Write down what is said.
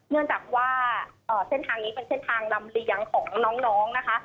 เนื่องจากว่าเส้นทางนี้เป็นเส้นทางลำเลียงของน้องนะคะ